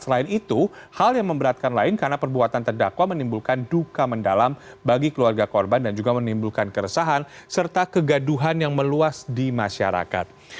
selain itu hal yang memberatkan lain karena perbuatan terdakwa menimbulkan duka mendalam bagi keluarga korban dan juga menimbulkan keresahan serta kegaduhan yang meluas di masyarakat